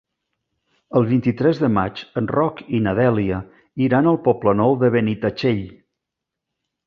El vint-i-tres de maig en Roc i na Dèlia iran al Poble Nou de Benitatxell.